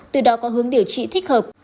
từ đó có hướng điều trị thích hợp